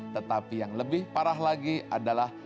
tetapi yang lebih parah lagi adalah